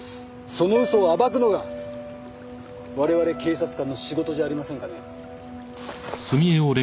その嘘を暴くのが我々警察官の仕事じゃありませんかね。